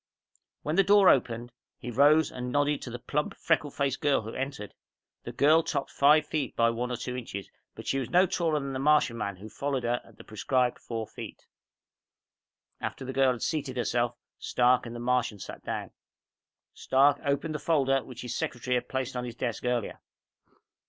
When the door opened, he rose and nodded to the plump, freckle faced girl who entered. The girl topped five feet by one or two inches, but she was no taller than the Martian man who followed her at the prescribed four feet. After the girl had seated herself, Stark and the Martian sat down. Stark opened the folder, which his secretary had placed on his desk earlier.